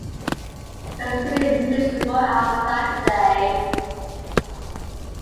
It looks pretty miserable outside today.